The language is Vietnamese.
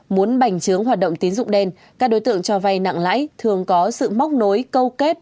muốn bành trướng hoạt động tín dụng đen các đối tượng cho vay nặng lãi thường có sự móc nối câu kết